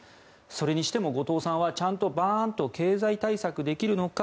それにしても後藤さんはちゃんとバーンと経済対策できるのか